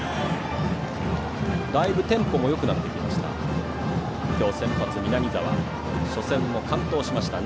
だいぶテンポもよくなってきました